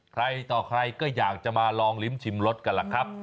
ใครต่อใครก็อยากจะมาลองลิ้มชิมรสกันล่ะครับ